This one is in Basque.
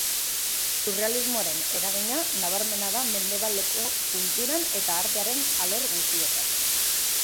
Surrealismoaren eragina nabarmena da mendebaleko kulturan eta artearen alor guztietan.